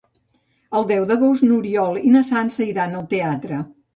El deu d'agost n'Oriol i na Sança iran al teatre.